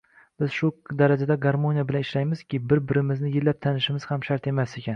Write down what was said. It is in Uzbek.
Biz shu darajada garmoniya bilan ishlaymizki, bir birimizni yillab tanishimiz ham shart emas ekan.